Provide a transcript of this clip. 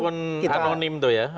akun anonim tuh ya